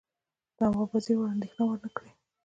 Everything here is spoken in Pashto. نواب وزیر اندېښنه ونه کړي.